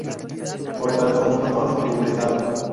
Por tanto, un fotón en un estado.